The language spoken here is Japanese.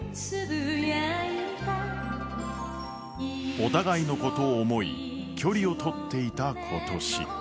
お互いのことを思い、距離をとっていた今年。